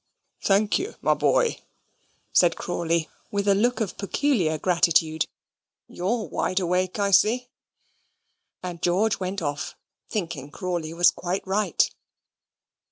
"Thank you, my boy," said Crawley, with a look of peculiar gratitude. "You're wide awake, I see." And George went off, thinking Crawley was quite right.